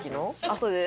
そうです。